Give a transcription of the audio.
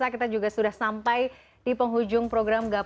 kita sudah sampai di penghujung program